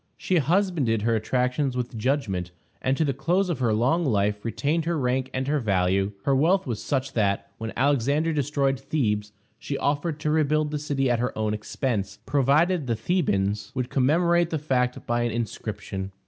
She husbanded her attractions with judgment, and to the close of her long life retained her rank and her value. Her wealth was such that, when Alexander destroyed Thebes, she offered to rebuild the city at her own expense, provided the Thebans would commemorate the fact by an inscription.